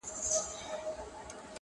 لېونتوب غواړم چي د کاڼو په ویشتلو ارزي،